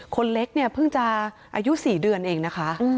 คนเล็กเนี่ยเพิ่งจะอายุ๔เดือนเองนะคะ